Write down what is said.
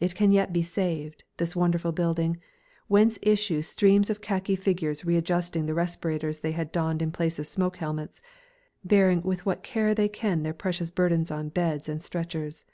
It can yet be saved, this wonderful building, whence issue streams of khaki figures readjusting the respirators they had donned in place of smoke helmets, bearing with what care they can their precious burdens on beds and stretchers.